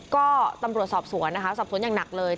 ก็ตำรวจสอบสวนนะคะสอบสวนอย่างหนักเลย